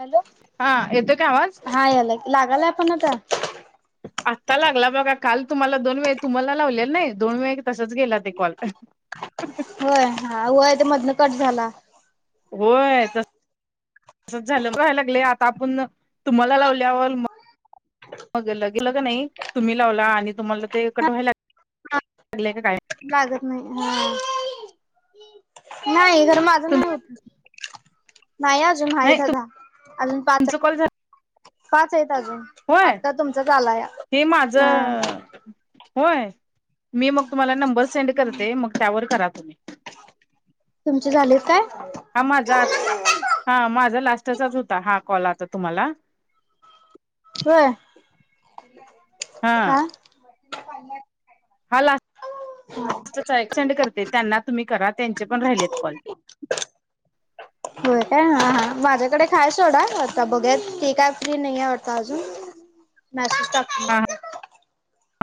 Hello! हा येतो काय आवाज? हा याला लागालय पण आता. आत्ता लागला बघा काल तुम्हाला दोन वेळ तुम्हाला लावलेला नाही. दोन वेळा तसच गेला ते कॉल. होय हा वय ते मधनं कट झाला. होय तस झाय लाग आता आपण तुम्हाला लावल्यावर. वगर लगेलं का नाही तुम्ही लावला आणि तुम्हाला ते कटवायला लाग हा ले का काय. लागत नाही ह नाही खर माझं नाही होत. नाही आजुन आहे नाही ददा अजुन पाच तुमचं कॉल झा पाच आहेत अजून होय आता तुमचाच आलाया. हे माझं होय. मी मग तुम्हाला नंबर सेंड करते मग त्यावर करा तुम्ही. तुमचे झाले काय? हा माझा आ, हा माझा लास्टचाच होता हा कॉल आता तुम्हाला. [inaudible] होय. हा आं. हा लास् टच आहे सेंड करते त्यांना तुम्ही करा त्यांचे पण राहिलेत कॉल. होय काय हा हा माझ्याकडे ऐक आहे सोडा आता बघा तु काय फ्री नाही आहे वाटता अजून. मैसैज टाकली. हा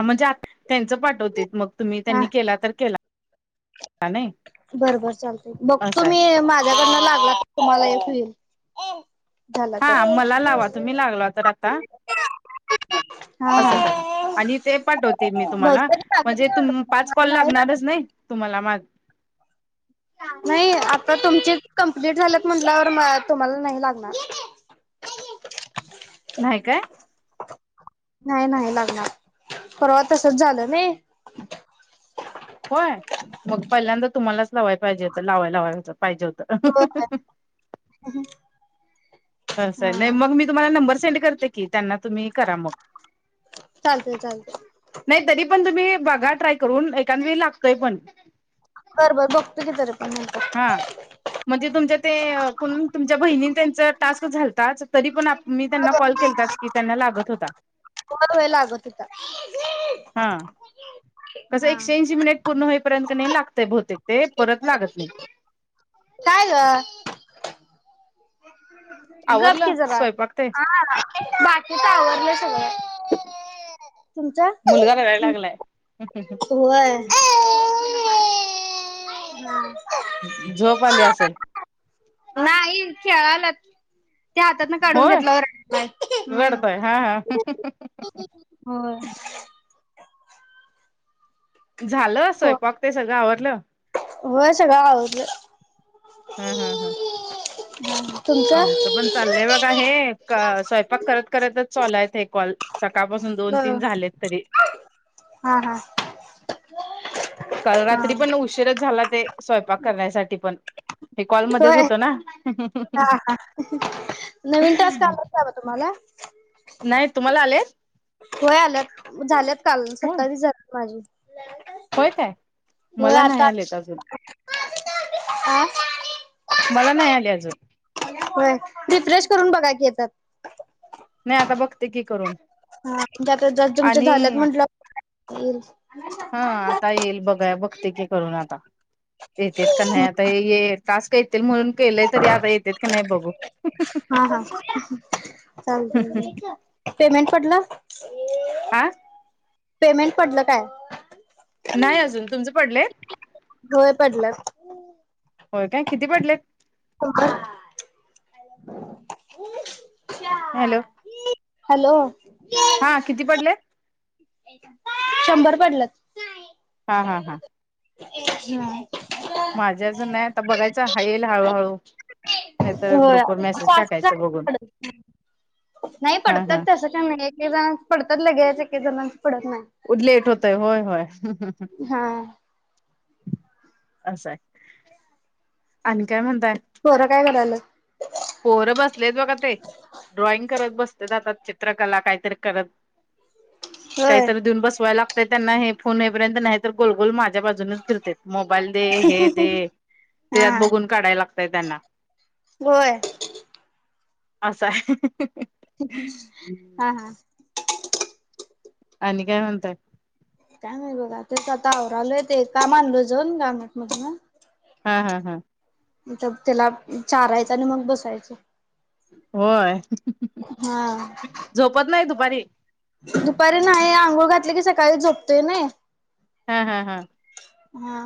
म्हणजे आ त्यांचं पाठवते मग तुम्ही हा त्यांनी केला तर केला. नाही बरबर चालत बघतो असं आहे मी माझ्याकडनं लागला तर तुम्हाला एक येईल. हा मला लावा तुम्ही लागल तर आता हा असं हा करा आणि ते पाठवते मी तुम्हाला भोजपुरी लागत म्हणजे नाही तुम पाच वाटतं मला काॅल नाही लागत लागणारच नाही. तुम्हाला माझे. नाही आता तुमचे कमप्लीट झालेत म्हटल्यावर तुम्हाला नाही लागणार. नाही काय? नाही, नाही लगणार परवा तसच झालं नाही. होय मग पहिल्यांदा तुम्हालाच लावायला पाहिजे लावाय, लावाय पाहिजे होत. हम् [unintelligible] ह स नाही मग मी तुम्हाला नंबर सेंड करते की त्यांना तुम्ही करा मग. चालतय, चालतय. नाही तरी पण तुम्ही बघा ट्राय करून एखांद वेळी लागतोय पण. बर बर बघतो की तरी पण. म्हणजे तुमच्या ते कोणी बहीणी त्याचा टास्क झालाताच तरी पण ते मी त्यांना कॉल केलताच की त्यांना लागत होता. काॅल होय लागत होता. हा कसं हा एकशेऍनशी मिनिट पूर्ण होईपर्यंत नाही लागतय बहुतेक ते परत लागत नाही. काय ग? गप आवरलं कि जरा स्वयंपाक ते हा बाकीच आवरलय सगळ. तुमचा? ते [unintelligible] होय. झोप आली हा असल? नाही खेळालात ते हातात ना काढून होय घेतला बर हो हम्म रडतोय हा हा हो. झाल स्वयंपाक ते सगळ आवरडलं. होय सगळ आवरलं. हम्म हम्म हम्म. हम [unintelligible] आमचं पण चाललंय बघाहे स्वयंपाक करत, करतच चालाचय हे कॉल सकाळपासून दोन, हो तीन झालेत तरी. हा हा. काल हा. रात्री पण उशीरच झाला ते स्वयंपाक करण्यासाठी पण हे कॉलमध्येच होय होत ना. हा हा नवीन टास्क आला काव तुम्हाला? नाही तुम्हाला आलेत? होय आल्यात झाल्यात काल हो सत्तावीस झाले माझे. होय काय होय मला नाही आता आलेत अजून हा. मला नाही आले अजून. होय रिफ्रेश करून बघा की येतात. नाही आता बघते की करून हा जता जि तुमच्या आणि झालेत म्हंटल ह [unintelligible] हा आता येईल बघा बघते की करून आता येतेत का नाही आता येेत टास्क येतील म्हणून केलेय तरी आता येतेत की नाही बघू. हा हा चालते पेमेंट पटल? आं.. पेमेंट पडल काय? नाही अजून तुमचं पडलय? होय पडलत. हो काय किती पडलेत? हो [unintelligible] हॅलो. हॅलो. [inaudible] हा, किती पडले? [inaudible] शंभर पडल्यात. हा, हा, हा. ती अशीचय. हा. माझ्या अजून नाही आता बघायचं. हा, येईल हळूहळू. नाहीतर होय. ग्रुपवर मेसेज पा टाकायचं [unintelligible] बघून पडत. नाही हा पडतात हा तसं. हं, एक - एक जणाच पडतात लगेच. एक- एक जणांच पडत नाही. ऊ, लेट होतय. होय- होय. हा असंय. आणि काय म्हणताय? पोरं काय करायल्यात? पोरं बसलेत बघा ते. ड्रॉइंग करत बसतेत आता. चित्रकला काहीतरी करत. [inaudible] होय काहीतरी देऊन बसवायला लागतय त्यांना, हे फोन येईपर्यंत. नाही तर, गोलगोल माझ्या बाजूनच फिरतेत. मोबाईल दे. हे दे. तेयात हा बघून काढायला लागतय त्यांना. होय. असाय. [unintelligible] [unintelligible] हा, हा. आणि काय म्हणताय? काय नाही बघा. त्याच आता आवरालोय. ते काम आणलं जाऊन, गार्मेट मधून. हा, हा, हा. तर त्याला चारायचं आणि मग बसायचं. होय. हा [unintelligible] झोपत नाही दुपारी? दुपारी नाही. आंघोळ घातली की, सकाळी झोपतोय नाही. हा, हा, हा. हा.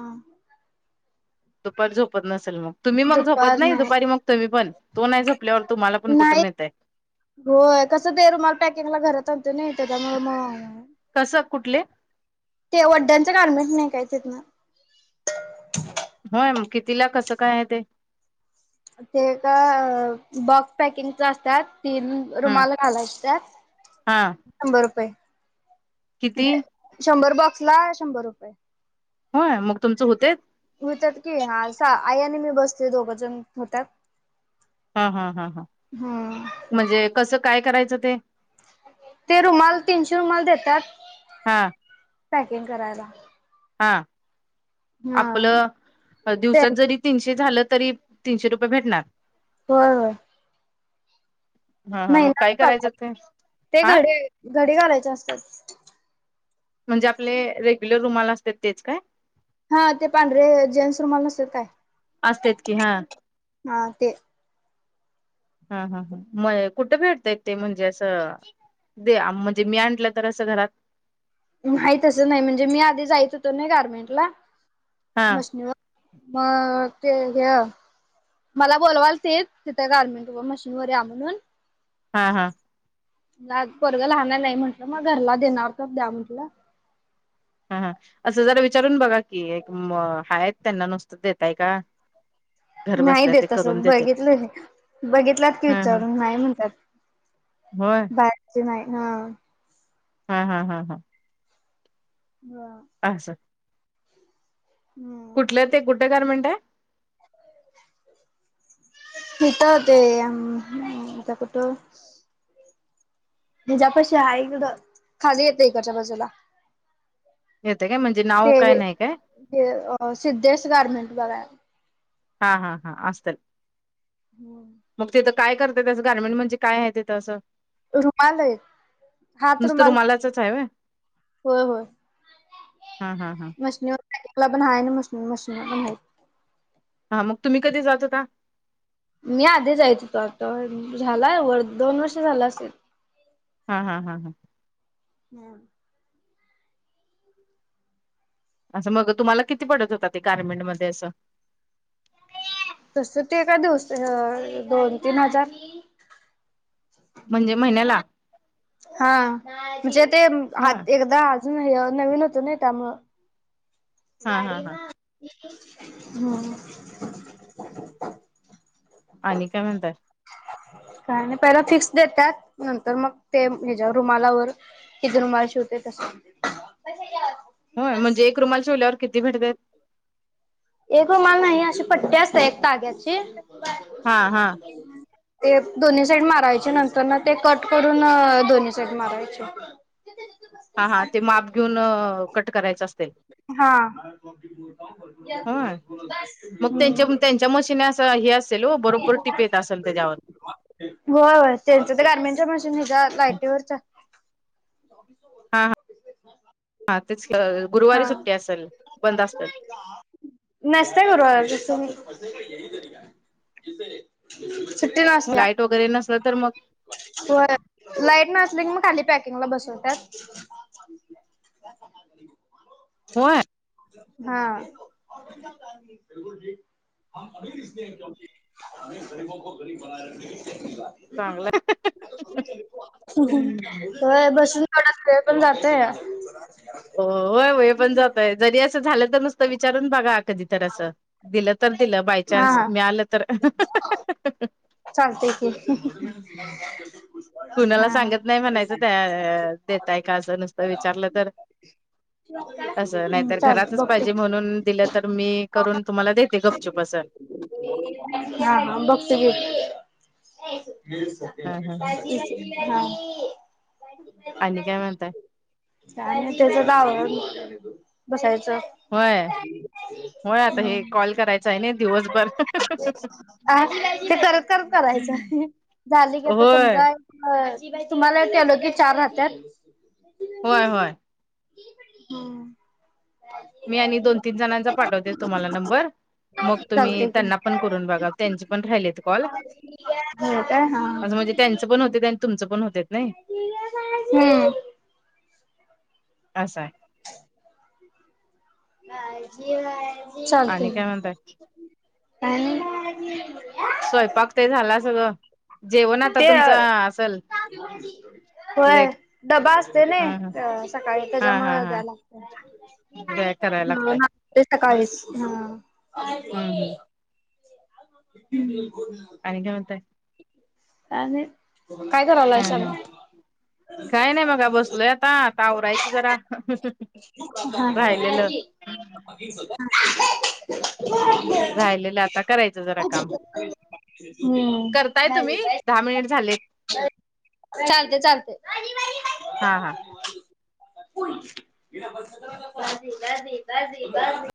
दुपारी झोपत नसेल मग? तुम्ही मग झोपत नाही दुपारी मग, तुम्ही पण. तो नाही झोपल्यावर तुम्हाला पण कुठं नाही मिळतय. होय. कसं, ते रुमाल पॅकिंगला घरात आणते नाही त्याज्यामुळ मग कसं, कुठले? ते वड्यांचे गार्मेंट् नाही काय, तिथन. होय. म कितीला, कसं, काय, याय ते? ते का, बॉक्स पॅकिंगचं असत्यात. तीन ह रुमाला घालायच त्यात, हा शंभर रुपये. किती? म्हणजे शंभर बॉक्स ला, शंभर रुपये. होय, मग तुमचं होतेत? होत्यात की. आसा, आई आणि मी बसतोय, दोघजण. होत्यात. हा, हा, हा, ह. हम्म म्हणजे, कसं, काय करायचं ते? ते रुमाल, तीनशे रुमाल देतात. हा पॅकिंग करायला. हा. हा आपलं, ते दिवसात जरी होय तीनशे झालं तरी तीनशे रुपये भेटणार. होय, होय. हा हा मग काय महिनाभर करायचं करतात. ते ते हा घडी, घडी घालायचे असतात. म्हणजे आपले, रेग्युलर रुमाल असतेत. तेच काय? हा, ते पांढरे जेन्स रुमाल नसतेत काय? असतेत की हा हा, ते. ह, ह, ह. म कुठे भेटतय ते? म्हणजे असं दे म्हणजे, मी आणलं तर असं, घरात. नाही तसं नाही म्हणजे मी आधी जायच होतो ना गारमेंट ला हा मशनीवर. मग ते घ्या. मला बोलवालतीत, तिथं गारमेंट मशीन वर या म्हणून हा हा आज पोरगं लहणार नाही म्हटलं मग घरला देणार तर द्या म्हटलं. ह ह असं जरा विचारून बघा कि एक हाय त्यांना नुसतं देताय का. [inaudible] नाही ते देतस करून देते बघितलं हे बघितलात की हा हा विचारून नाही म्हणतात होय बाहेरचे नाही हा हा हा हा हां हां असां सा हम्म कुठलं ते कुठं गारमेंट आहे. इथ ते त्या कुठ. तिज्यापाशी आहे ग खाली येत इकडच्या बाजूला. येतं काय म्हणजे ते नाव काय हे नाही काय. ते सिद्धेश गार्मेंट बघा. हा हा हा असल मग ते तर काय करतय असं गार्मेंट म्हणजे काय आहेथ असं. रुमाल आहे हात रुमाल. त्याचंच हाय व्हय. होय होय हा हा हा मशीनीवरला पण आहे ना म मशीनी पण मा हा मग तुम्ही कधी जात होता. मी आधी जायचो होेतो आता झालाय वर दोन वर्ष झालं असेल. हा हा हा हां हम्म असं मग तुम्हाला किती पडत होतात ते गारमेंटमध्ये असं? तस ते एका दिवस दोन तीन हजार म्हणजे महिन्याला हा म्हणजे ते होय एकदा अजून नवीन होत नाही त्यामुळं हा हा गाडी हा ना हम [inaudible] आणि काय म्हणताय? का नाही पहिला फिक्स देतात नंतर मग ते हच्या्या रुमाला व कि झुरमुळ्या शिवतोय तश्यामध्ये होय म्हणजे एक रुमाल शिवल्यावर किती भेटतेत. एक रुमाल नाही अशी पट्टी असत एक ताग्याची. हा हां ते दोन्ही साईड मारायचे नंतर ना ते कट करून दोन्ही साईड मारायचे. हा हा ते माप घेऊन कट करायचं असेल. होय हां मग त्यांच्या त्यांच्या मशीने असं हे असेल हो बरोबर टिप येत असेल त्याच्यावर. होय हो त्यांच ते गारमिंचा मशीन हच्या लायटीवरच्या हा [inaudible] हा तेच गुरुवारी हा सुट्टी असेल बंद आसल‌ नाश्ता करू आज अस मी सुट्टीच असतीया. लाईट वगैरे नसल तर मग हो लाईट नसली की मग खाली पॅकिंगला बसवतात. होय हा हम अमीर इली क अममीर गरीबो को गरीब बनाए रखणे एकली बा चांगलं [unintelligible] [inaudible] ह बसून थोड पण जातय हो होय हो हे पण जातय जरी असं झालं तर नुसतं विचारून बघा कधी तर असं दिलं तर दिलं बाय चान्स हा मी आलं तर चालते क कुणाला सांगत नाही म्हणायचं त्या देेतय का असं नसतं विचारलं तर हो असं नाहीतर घरातच पाहिजे म्हणून दिलं तर मी करून तुम्हाला देते गपचुप असं हा हा बघते ब हा काय ह ह माहीत आणि काय म्हणताय त्यांच [inaudible] बसायचं होय होय आता हे कॉल करायचा आहे ना दिवसभर अ ते करत करायच झाली की आता होय तुमचा तुम्हांला [inaudible] चार राहत्यात होय होय हम्म मी आणि दोन तीन जणांचा पाठवते तुम्हांला नंबर मग तुम्ही चालतंय त्यांना पण करून बघा त्यांचे पण राहिलेत कॉल हो काय हा असं म्हणजे त्यांचं पण होतात आणि तुमचं पण होतात नाय हम्म असा आहे आणि चालतंय काय म्हणताय [unintelligible] स्वयंपाक ते झाला सगळं जेवण आता तुमचं ते असल [unintelligible] होय लेट डबा असतोय ना हा सकाळी त्यांच्यामुळे द्यायला लागतय [inaudible] कराय लागतय सकाळीच हा हम्म हम्म आणि काय म्हणताय आणि काय हा करालासा हा मग काय नाही बघा बसलोय आता आवरायचं जरा राहिलेलं हा ह राहिलेलं आता करायचं जरा काम हम्म करताय तुम्ही दहा मिनिटं झालेत चालतंय चालतंय हा हा दाजी दाजी दाजी